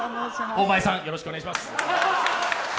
大前さん、よろしくお願いします。